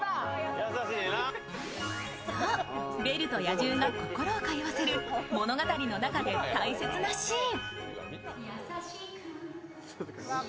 そう、ベルと野獣が心を通わせる物語の中で大切なシーン。